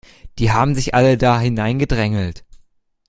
Die haben sich alle da hingedrängelt.